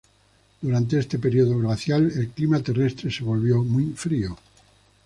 Durante este período glacial, el clima terrestre se volvió muy frío.